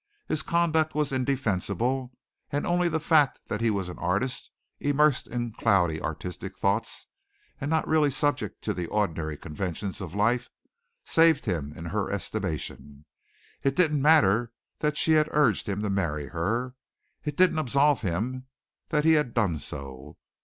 His conduct was indefensible, and only the fact that he was an artist, immersed in cloudy artistic thoughts and not really subject to the ordinary conventions of life, saved him in her estimation. It didn't matter that she had urged him to marry her. It didn't absolve him that he had done so.